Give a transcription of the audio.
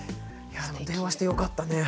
いや電話してよかったね。